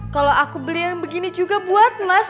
kalau aku beli yang begini juga buat mas